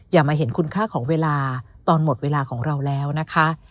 อย่ามาเห็นคุณค่าของเวลาตอนหมดเวลาของเราแล้วนะคะ